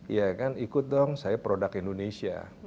iya kan ikut dong saya produk indonesia